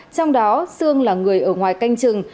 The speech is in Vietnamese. trong đó sương là người ở ngoài canh trừng